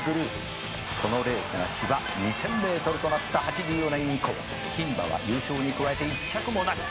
「このレースが芝２，０００ｍとなった８４年以降牝馬は優勝に加えて１着もなし」